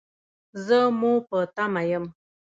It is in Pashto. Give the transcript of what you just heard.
زه مو په تمه یم